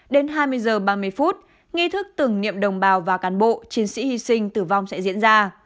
đến hai mươi h ba mươi phút nghi thức tưởng niệm đồng bào và cán bộ chiến sĩ hy sinh tử vong sẽ diễn ra